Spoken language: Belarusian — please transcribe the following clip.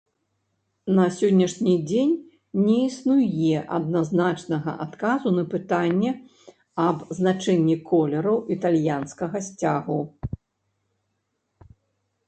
На сённяшні дзень не існуе адназначнага адказу на пытанне аб значэнні колераў італьянскага сцягу.